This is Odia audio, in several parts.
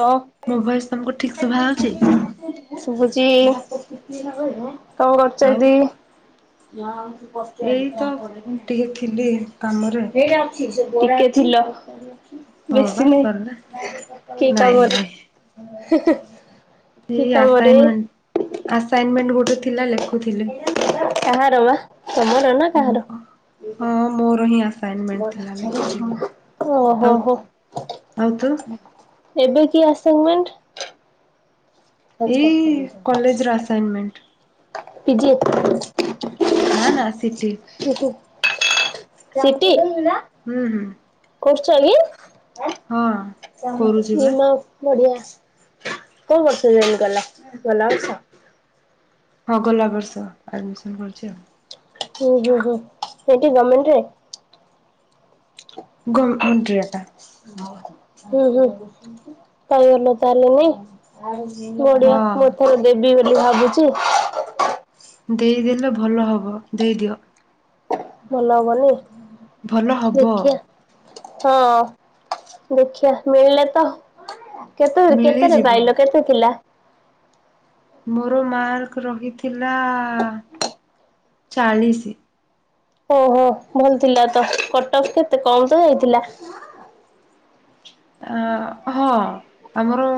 ହ ମୋ ଭଏସ ତମକୁ ଠିକ ଶୁଭା ହଉଛି? ଶୁଭୁଚି। ଚି କ କରୁଚ ଆଉ ଦି? ଉଆଓ। ଏଇ ତ ଟିକେ ଥିଲି କାମରେ ଏଇଟା ଅଛି ସେ ଟିକେ ଥିଲ। ହଁ ପା ବେଶୀ ନାହିଁ। ବାର ନା। କି କବର? ହ। ଇ ଆସାଇମେଣ୍ଟ ଆସାଇମେଣ୍ଟ ଗୋ ଥିଲା ଲେ କାହାର ମା ତମର ନା କାହାର ହଁ ମୋର ହିଁ ଆସାଇନମେଣ୍ଟ ଥିଲା ଲେଖୁଥିଲି। ଓହୋ ଆଉ ହୋ ଆଉ ତୁ ଏବେ କି ଆସମେଣ୍ଟ? ଏଇ କଲେଜ ର ଆସାଇନ୍ ମେଣ୍ଟ। ପିଜିି ଏ। ନା ନା ସିଟି। ସିଟି। ହୁଁ ହୁଁ। କରୁଛ କି? ହଁ [unintelligible] କରୁଛି ବା। ନିମା ପଢିଆ। କୋଉ ବର୍ଷ ଜଏନକଲା ଗଲା ବର୍ଷ ହଁ ଗଲା ବର୍ଷ ଆଡମିସନ କରିଛି ଆଉ। ହୁଁ ହୁଁ ହୁଁ ସେଇଠି ଗମେଣ୍ଟ ରେ? ଗ ମେଣ୍ଟ ରେ ଏକା ହୁଁ ହୁଁ ପାଇଗଲ ତାହାଲେ ଲେନି। ବଢିଆ ହଁ ମୋ ଠାରୁ ଦିଦି [unintelligible] ବୋଲି ଭାବୁଛି। ଦେଇଦେଲେ ଭଲ ହବ ଦେଇଦିଅ। ଭଲ ହବନି? ଭଲ ହବ। ଦେଖିଆ ହଁ ଦେଖିବା ମିଳିଲେ ତ କେତେ ରେ କେତେ ରେ ମିଳିଯିବ। ପାଇଲ କେତେ ଥିଲା ମୋର ମାର୍କ ରହିଥିଲା ଆ ଚାଳିଶି ଓହୋ ଭଲ ଥିଲା ତ କଟ୍ ଅଫ୍ କେତେ କମ ତ ହେଇଥିଲା। ଅଁ ହଁ ଆମର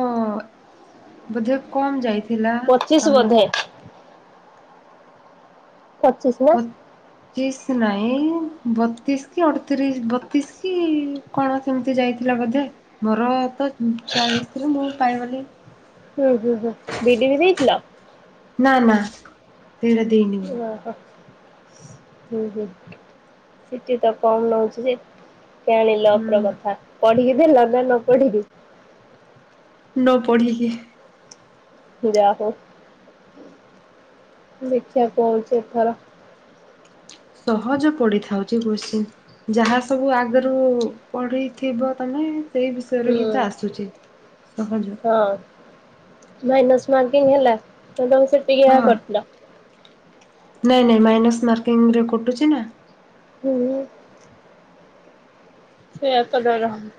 ବଧେ କମ ଯାଇ ପଚିଶ ବୋଧେ। ପଚିଶ ନା ପଚିସ୍ ନାହି। ଏ ଇ ବତିଶ କି ଅଠତିରିଶ ବତିଶ କି କଣ ସେମିତି ଯାଇଥିଲା ବୋଧେ ମୋର ତ ଚାଳିଶ ଥିଲା ମୁଁ ପାଇଗଲି। ହୁଁ ହୁଁ ହୁଁ ବିଡ଼ି ବି ଦେଇଥିଲା। ନା ନା ସେଇଟା ଦେଇନି। ଓହୋ। ହୁଁ ହୁଁ ସିଟି ତ କମ ନହୁଉଛି ଯେ ଆଣିଲ ପର ହୁଁ କଥା ପଢିକି। ଦେଲ ଲ ପଢିକି। ନ ପଢ଼ିକି। ଯା ହଉ। ଦେଖି କଣ ହଉଛି ଏଥର? ସହଜ ପଢି ଥାଉ ଯେ କୋସଚୀନ୍ ଯାହା ସବୁ ଆଗରୁ ପଢିଥିବ ତମେ। ସେଇ ହୁଁ ବିଷୟରୁ ହିଁ ତ ଆସୁଛି ସହଜ। ହଁ। ମାଇନସ୍ ମାର୍କିଂ ହେଲା। ହଁ [unintelligible] ନାଇଁ ନାଇଁ ମାଇନସ୍ ମାର୍କିଂ ରେ କଟୁଛି ନା। ହୁଁ। ସେଇୟତଲ ରହାମ।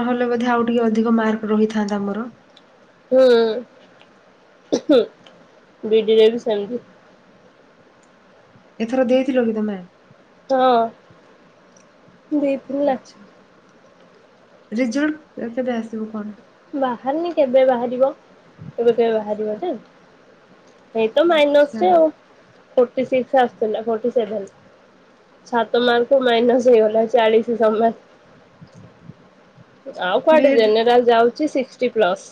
ନହେଲେ ବୋଧେ ଆଉ ଟିକେ ଅଧିକ ମାର୍କ ରହିଥାନ୍ତା ମୋର। ହୁଁ ବିଡିରେ ବି ସେମିତି। ଏଥର ଦେଇଥିଲ କି ତମେ? ହଁ। ଦେଇଥିଲି ନା। ରିଜଲ କେ କେବେ ଆସିବ କଣ? ବାହାରିନି କେବେ ବାହାରିବ କେବେ କେବେ ବାହାରିବ ଯେ ଏଇ ତ ଆଚ୍ଛା ମାଇନସ ରେ ଆଉ। ଫୋଟିସିକ୍ସ ଆସିଥିଲା ଫୋଟି ସେଭେନ ସାତ ମାର୍କ ମାଇସ୍ ହେଇଗଲା ଚାଳିଶ ସମାନ। ଆଉ କୁଆଡେ ବିଏଡ୍ ଜନ୍ୟ ରାଲ ଯାଉ। Sixty plus.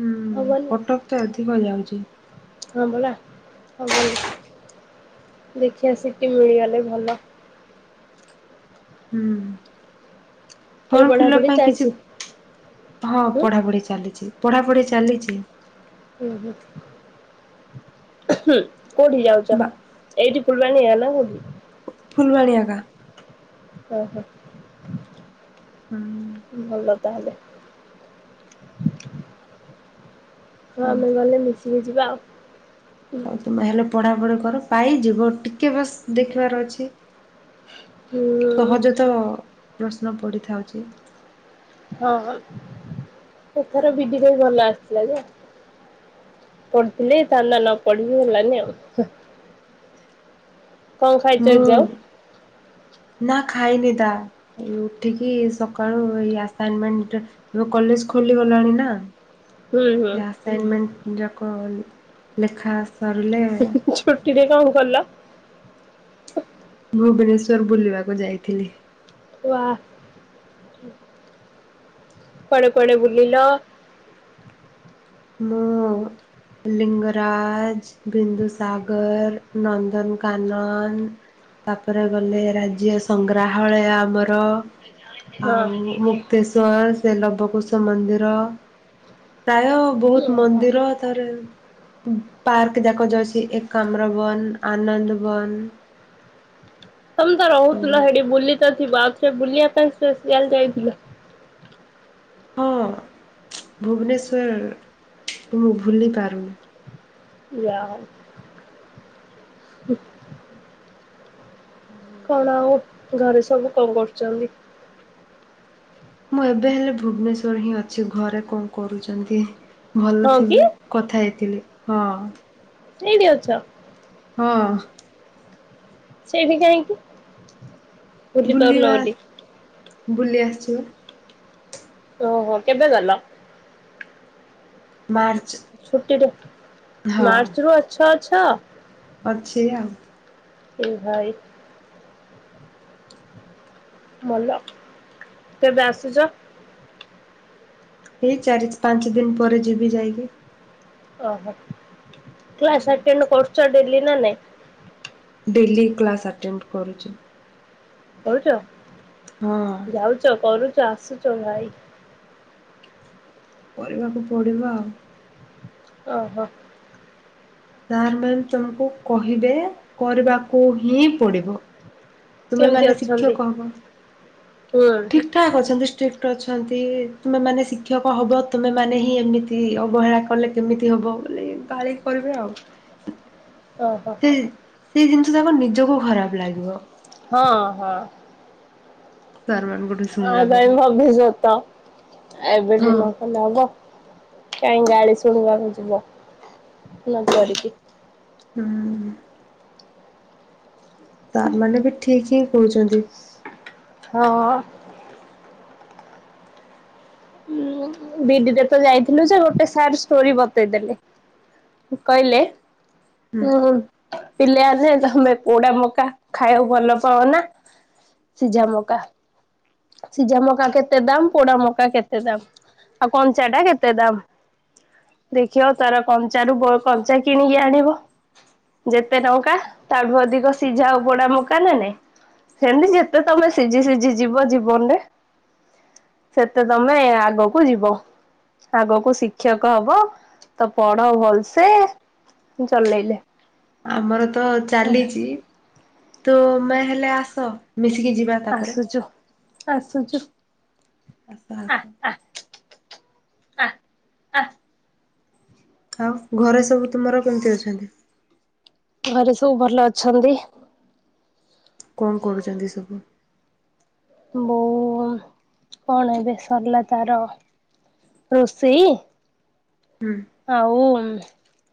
ହୁଁ କଟକ ତ ଅଧିକ ଯାଉଛି। ହଁ ବଲା ହବନି ଦେଖି ଆସିକି ମିଳିଗଲେ ଭଲ। ହୁଁ। ଏବେ ଫର୍ମ ଫିଲ ପଢାପଢି ପାଇଁ କିଛି ଚାଲିଛି ହଁ ହୁଁ। ପଢାପଢି ଚାଲିଛି। ପଢ଼ାପଢ଼ି ଚାଲିଛି। [unintelligible] କୋଉଠି ଯାଉଛ ବା ଏଇଠି ଫୁଲବାଣି ଆଲା ହକି ଫୁଲବାଣୀ ଆକା ଓ ହୋ। ହୁଁ। ଭଲ। ତାହଲେ। ହଁ ମ ଭଲ ମି। ବୁଝିବା ଆଉ। ଆଉ ତମେ ହେଲେ ପଢା ପଢି ର ପାଇଯିବ ଟିକେ ବସ ଦେଖିବାର ଅଛି। ହୁଁ ସହଜ ତ। ପ୍ରଶ୍ନ ପଡ଼ିଥାଉଛି। ହଁ ହ। ଏଥର ବିଡିଟ ବି ଭଲ ଆସ। ଯେ ପଢୁଥିଲେ ତା ନ ପଢିକି ଗଲାନି ଆଉ। କଣ ଖାଇଛ ମୁଁ ଏଜାଏ? ନା ଖାଇନି ତା ଏ ଉଠିକି ସକାଳୁ ଏଇ ଆସାଇନମେଣ୍ଟ ଏବେ କଲେଜ ଖୋଲିଗଲାଣି ନା। ହୁଁ ହୁଁ ସେ ଆସାଇନ୍ମେଣ୍ଟ ଯାକ ଲେଖା ସରିଲେ ଛୁଟିରେ କନ୍ କଲ? ଭୁବନେଶ୍ଵର ବୁଲିବାକୁ ଯାଇଥିଲି। ୱା କୁଆଡେ କୁଆଡେ ବୁଲିଲ। ମୁଁ ଲିଙ୍ଗରାଜ ବିନ୍ଦୁ ସାଗର ନନ୍ଦନକାନନ ତାପରେ ଗଲେ ରାଜ୍ୟ ସଂଗ୍ରହାଳୟ ଆମର ହଁ ଆଉ ମୁକ୍ତେଶ୍ଵର ସେ ଲବକୁ ମନ୍ଦିର ପ୍ରାୟ ବହୁତ ଓହୋ। ମନ୍ଦିର ତାରରେ ପାର୍କ ଯାକ ଯାଉଛି ଏକାମ୍ର ବନ ଆନନ୍ଦ ବନ ତମେ ତ ରହୁଥିଲ ସେଠି ବୁଲି ଯିବ ଆଉଥରେ ସେ ବୁଲିବା ପାଇଁ ସ୍ପେସିଆଲ ଯାଇଥିଲ। ହଁ ଭୁବନେଶ୍ୱର ମୁଁ ଭୁଲି ପାରୁନି। ୟା। କଣ ଆଉ ଘରେ ସବୁ କଣ କରୁଛନ୍ତି। ମୁଁ ଏବେ ହେଲେ ଭୁବନେଶ୍ଵର ହିଁ ଅଛି ଘରେ କଣ କରୁଛନ୍ତି। ଭଲ ହଁ କି? ଥିବେ କଥା ହେଇଥିଲି। ହଁ। ଏଇଠି ଅଛ। ହଁ। ସେଇ ଠି କାଇଁ କି? ବୁଲି ପାରୁନ ବୁଲିବା ବୋଲିକି ବୁଲି ଆସିଛ ଓହୋ କେବେ ଗଲ? ବାର୍- ଛୁଟିରେ ମାର୍ଚ୍ଚରୁ ଅଛ ଛଅ। ଅଛି ଆଉ ଭାଇ! ଭଲ କେବେ ଆସୁଛ? ଏଇ ଚାରି ପାଞ୍ଚ ଦିନ ପରେ ଯିବି ଯାଇକି। ଓହୋ। କ୍ଲାସ୍ ଅଟେଣ୍ଡ କରୁଚ। ଦେଲି ନା ନାଇଁ? ଡେଲି କ୍ଲାସ ଆଟେଣ୍ଡ କରୁଛି। କରୁଛ। ହଁ ଯାଉଛ କରୁଛୁ। ଚାରଶ ଚରାଇ କରିବାକୁ ପଡିବ ଆଉ। ଓହୋ। ସାର ମ୍ୟାମ୍ ତମକୁ କହିବେ କରିବାକୁ ହିଁ ପଡିବ। କେମିତି ତୁମେମାନେ ଅଛନ୍ତି? ଶିକ୍ଷକ ହବ ହୁଁ ଠିକ ଠାକ ଅଛନ୍ତି ଷ୍ଟ୍ରି ଟ ଅଛନ୍ତି ତୁମେ ମାନେ ଶିକ୍ଷକ ହବ ତୁମେ ମାନେ ହିଁ ଏମିତି ଅବହେଳା କଲେ କେମିତି ହବ। ବୋଲି ଗାଳି କରିବେ ଆଉ। ଓହୋ। ସେ ସେଇ ଜିନିଷ ଯାକ ନିଜକୁ ଖରାପ ଲାଗିବ। ହଁ ହଁ। ତାରା ଆ ଗାଇ ଭାବିିଯତ ହଁ ଏବେଠକ ନବ କାହିଁ ଗାଳି ଶୁଣିବାକୁ ଯିବ ନ କରିକି। ହୁଁ। ତା ମାନେ ବି ଠିକ ହିଁ କହୁଛନ୍ତି। ହଁ। ବିଡିରେ ତ ଯାଇଥିଲୁ ଯେ ଗୋଟେ ସାର ଷ୍ଟୋରୀ ବତେଇଦେଲେ କହିଲେ ହୁଁ ନାଇଁ ନାଇଁ। ପିଲା ଆସେ ତମେ ପୋଡା ମକା ଖାଇବାକୁ ଭଲ ପାଅ ନା, ସିଝା ମକା ସିଝା ମକା? କେତେ ଦାମ ପୋଡ ମକା କେତେ ଦାମ? ଆଉ କଞ୍ଚାଟା କେତେ ଦାମ, ଦେଖିବ ତାର କଞ୍ଚାରୁ ବଉ କଞ୍ଚା କିଣିକି ଆଣିବ ଯେତେ ଟଙ୍କା ତାଠୁ ଅଧିକ ସିଝା ଆଉ ପୋଡା ମକା ନା ନାଇଁ ସେମତି ଯେତେ ତମେ ସିଝି ସିଝି ଯିବ ଜୀବନରେ ସେତେ ତମେ ଆଗକୁ କୁ ଯିବ ଆଗକୁ ଶିକ୍ଷକ ହବ ତ ପଢ ଭଲସେ ଚଲେଇଲେ। ଆମର ତ ପଢା ଚାଲିଛି। ତୁମେ ହେଲେ ଆସ। ମିଶିକି ଯିବା ତାପରେ। ଆସୁଛୁ ଆସୁଛୁ। ଆସ ଆ ଆସ। ଆ ଆ ଆ। ଆଉ ଘରେ ସବୁ ତୁମର କେମିତି ଅଛନ୍ତି? ଘରେ ସବୁ ଭଲ ଅଛନ୍ତି। କଣ କରୁଛନ୍ତି ସବୁ? ବୋଉ କଣ ଏବେ ସରିଲା ତାର ରୋଷେଇ। ହୁଁ ହଉ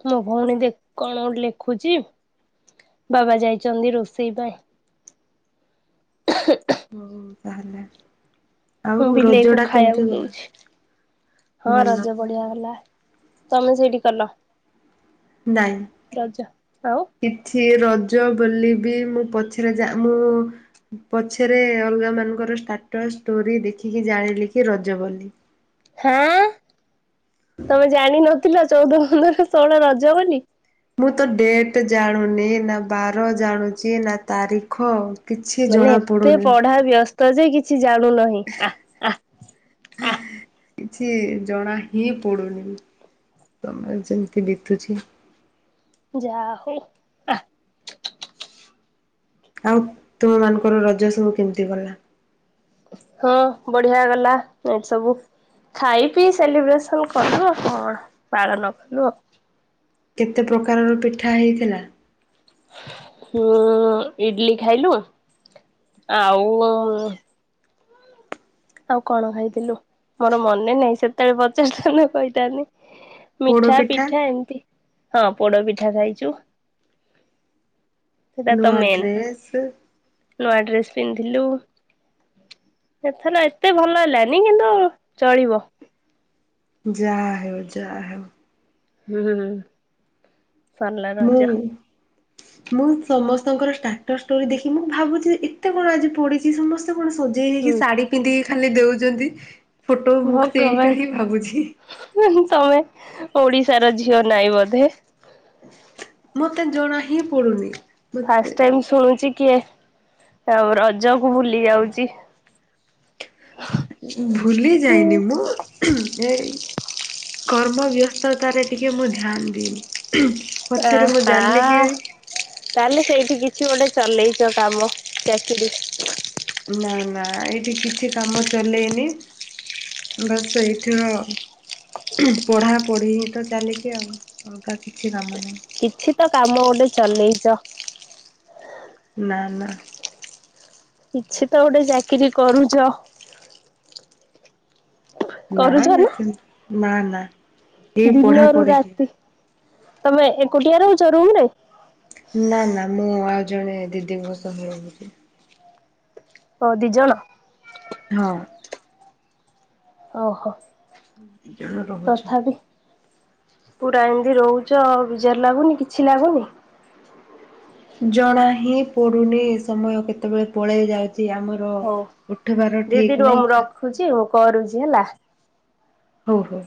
ମୋ ଭଉଣୀ ଦେଖ କଣ ଲେଖୁଛି ବାବା ଯାଇଛନ୍ତି ରୋଷେଇ ପାଇଁ [inaudible] ହଉ ତାହଲେ। ମୁଁ ବିଲେଇକୁ ଖାଇବାକୁ ଦଉଛି ହଁ ଭଲ ରଜ ବଢିଆ ହେଲା। ତମେ ସେଇଠି କଲ। ନାଇଁ ରଜ ଆଉ କିଛି ର ରଜ ବୋଲି ବି ମୁଁ ପଛରେ ଯା ମୁଁ ପଛରେ ଅଲଗା ମାନଙ୍କର ଷ୍ଟାଟସ ଷ୍ଟୋରୀ ଦେଖିକି ଜାଣିଲି କି ରଜ ବୋଲି। ହଁ। ତମେ ଜାଣିନଥିଲ ଚଉଦ ପନ୍ଦର ଷୋହଳ ରଜ ବୋଲି। ମୁଁ ତ ଡେଟ୍ ଜାଣୁନି ନା ବାର ଜାଣୁଚି ନା ତାରିଖ କିଛି ମାନେ ଜଣା ଏତେ ପଡୁନି ପଢା ବ୍ୟସ୍ତ ତ ଯେ କି କିଛି ଜାଣୁ ନାହିଁ ଆ ଆ ଆ କିଛି ଜଣା ହିଁ ପଡୁନି ସମୟ ଯେମିତି ଦେଖୁଛି ଯାହୋ ଆ ଆଉ ତୁମମାନଙ୍କର ରଜ ସବୁ କେମିତି ଗଲା? ହଁ ବଢିଆ ଗଲା ଏ ସବୁ ଖାଇ ପିଇ ସେଲିବ୍ରେସନ କଲୁ ଆଉ କଣ ପାଳନ କଲୁ ଆଉ। କେତେ ପ୍ରକାରର ପିଠା ହେଇଥିଲା? ହୁଁ ଇଡଲି ଖାଇଲୁ ଆଉ ଆଉ କଣ ଖାଇଥିଲୁ ମୋର ମନେ ନାହିଁ ସେତେବେଳେ ପଚାରିଥାନ୍ତ କହିଥାନ୍ତି। ମିଠା ପିଠା ଏମତି ହଁ ପୋଡ ପିଠା ଖାଇଚୁ। ନୂଆ ମେନ୍। ଡ୍ରେସ ନୂଆ ଡ୍ରେସ ପିନ୍ଧିଲୁ ଏଥର ଏତେ ଭଲ ହେଲାନି କିନ୍ତୁ ଚଳିବ। ଯା ହେଉ ଯା ହେଉ ହୁଁ। ସରିଲା ମୁଁ ରଜ ମୁଁ ସମ ସ୍ତଙ୍କର ଷ୍ଟାଟସ ଷ୍ଟୋରି ଦେଖି କି ମୁଁ ଭାବୁଛି ଏତେ କଣ ଆଜି ପଡିଚି ସମ କଣ ସଜେଇ ହେଇକି ହୁଁ ଶାଢୀ ପିନ୍ଧିକି ଖାଲି ଦେଉଚନ୍ତି ଫୋଟୋ ମୁଁ ଭଗବାନ ସେଇଟା ହିଁ ଭାବୁଛି। ତମେ ଓଡିଶାର ଝିଅ ନାଇଁ ବୋଧେ? ମତେ ଜଣା ହିଁ ପଡୁନି। ମତେ ଫାଷ୍ଟ ଟାଇମ ଶୁଣୁଚି କିଏ? ଆଉ ରଜ କୁ ଭୁଲି ଯାଉଚି। ଭୁଲି ଯାଇନି ମୁଁ ଏ କର୍ମ ବ୍ୟସ୍ତତା ରେ ଟିକେ ମୁଁ ଧ୍ୟାନ ଦେଇନି। ଅ ପଛରେ ମୁଁ ଜାଣିଲି କି ହାଁ ତାହେଲେ ସେଇଠି କିଛି ଗୋଟେ ଚଲେଇଚ କାମ ଚାକିରି। ନାଁ ନାଁ ଏଇଠି କିଛି କାମ ଚଲେଇନି ବସ ଏଇଠ ପଢାପଢି ତ ଚାଲିଚି ଆଉ ଅଲଗା କିଛି କାମ ନାହିଁ। କିଛି ତ କାମ ଗୋଟେ ଚଲେଇଚ। ନାଁ ନାଁ। କିଛି ତ ଗୋଟେ ଚାକିରି କରୁଚ। ନାଁ ନା ସେମ ନାଁ ନାଁ। ଦିନରୁ ରାତି। ତମେ ଏକୁଟିଆ ରହୁଚ ରୁମ ରେ? ନାଁ ନାଁ ମୁଁ ଆଉ ଜଣେ ଦିଦିଙ୍କ ସହ ରହୁଚି। ଓ ଦି ଜଣ? ହଁ। ଓହୋ। କେତେ ଜଣ ରହୁଛ? ତଥାପି ପୁରା ଏମିତି ରହୁଚ ବିଜାର ଲାଗୁନି କିଛି ଲାଗୁନି? ଜଣା ହିଁ ପଡୁନି ସମୟ କେତେବେଳେ ପଳେଇ ଯାଉ ଛି ଆମର ହଉ ଉଠିବାର ଦିଦି ଠିକ ରୁହ ମୁଁ ନାହିଁ। ରଖୁଛି ମୁଁ କରୁଛି ହେଲା। ହଉ ହଉ।